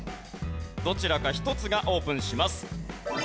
どちらか１つがオープンします。